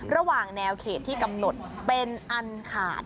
ระหว่างแนวเขตที่กำหนดเป็นอันขาด